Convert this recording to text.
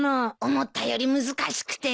思ったより難しくて。